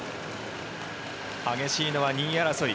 激しいのは２位争い。